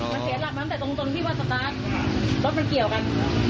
เสียหลักมาตั้งแต่ตรงที่วันสตาร์ทรถเป็นเกี่ยวกัน